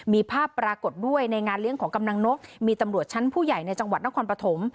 มีภาพปรากฏด้วยในงานเลี้ยงของกำลังนกมีตำรวจชั้นผู้ใหญ่ในจังหวัดนครปฐม